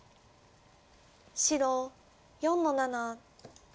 白４の七。